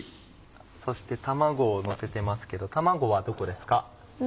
そして卵をのせてますけど卵はどこですか？